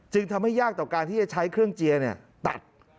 ทำให้ยากต่อการที่จะใช้เครื่องเจียร์ตัด